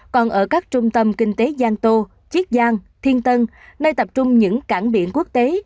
còn ở các trung tâm kinh tế giang tô chiết giang thiên tân nơi tập trung những cảng biển quốc tế